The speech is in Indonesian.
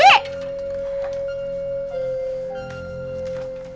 ya selamat pagi